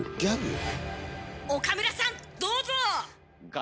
岡村さんどうぞ！